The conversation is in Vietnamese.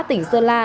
tỉnh sơn la